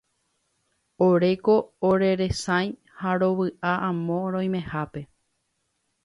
Oréko oreresãi ha rovy'a amo roimehápe.